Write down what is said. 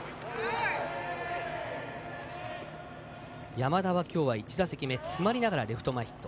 山田はきょうは１打席目詰まりながらヒット。